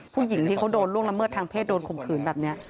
ผู้หญิงที่เขาโดนล่วงละเมิดทางเพศโดนข่มขืนแบบนี้